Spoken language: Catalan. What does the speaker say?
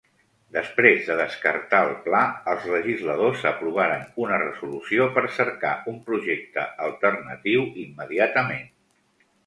Després de descartar el pla, els legisladors aprovaren una resolució per cercar un projecte alternatiu immediatament.